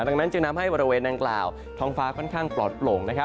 ดังนั้นจึงทำให้บริเวณดังกล่าวท้องฟ้าค่อนข้างปลอดโปร่ง